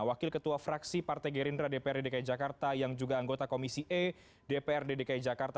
wakil ketua fraksi partai gerindra dprd dki jakarta yang juga anggota komisi e dprd dki jakarta